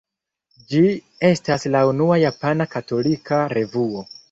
Ĝi estas la unua japana katolika revuo.